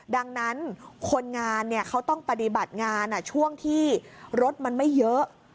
ดังนั้นคนงานเขาต้องปฏิบัติงานช่วงที่รถมันไม่เยอะ